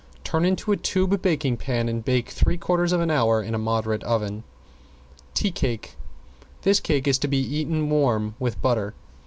Turn into a tube baking pan and bake three quarters of an hour in a moderate oven. ~TEA CAKE~ This cake is to be eaten warm with butter.